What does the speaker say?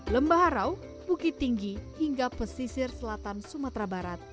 lembah harau bukit tinggi hingga pesisir selatan sumatera barat